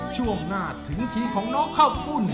ช่วงหน้าถึงทีของน้องข้าวปุ้น